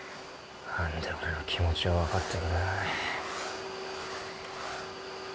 なんで俺の気持ちを分かってくれない。